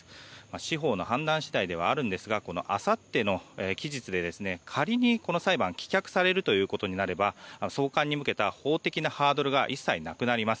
司法の判断次第ではありますがあさっての期日で仮に、この裁判棄却されることになれば送還に向けた法的なハードルが一切なくなります。